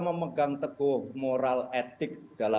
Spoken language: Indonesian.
memegang teguh moral etik